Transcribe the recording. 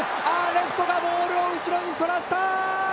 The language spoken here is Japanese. レフトがボールを後ろにそらした！